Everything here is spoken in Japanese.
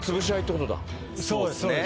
そうですね。